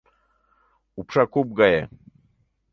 — Упша куп гае!